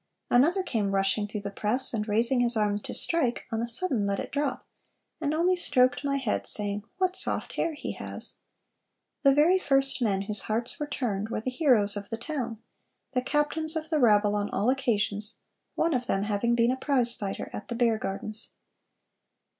Another came rushing through the press, and raising his arm to strike, on a sudden let it drop, and only stroked my head, saying, 'What soft hair he has!' ... The very first men whose hearts were turned were the heroes of the town, the captains of the rabble on all occasions, one of them having been a prize fighter at the bear gardens....